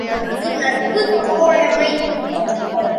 அது நட்பு தோழமை!